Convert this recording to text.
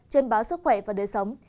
trên báo sức khỏe và đời sống